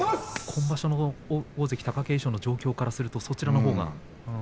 今場所の大関貴景勝の状況からするとそちらのほうが。